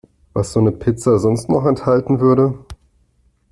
Was so 'ne Pizza sonst noch enthalten würde.